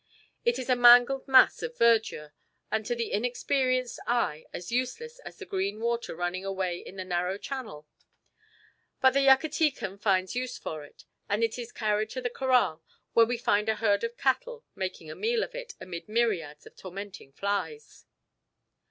It is a mangled mass of verdure, and to the inexperienced eye as useless as the green water running away in the narrow channel. But the Yucatecan finds use for it, and it is carried to the corral, where we find a herd of cattle making a meal off it amid myriads of tormenting flies.